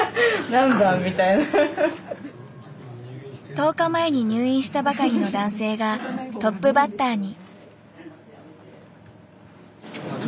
１０日前に入院したばかりの男性がトップバッターに。